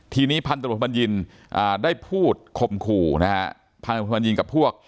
ทีนี้พันธุบัญญินฯได้พูดขมคู่พันธุบัญญินฯกับพวก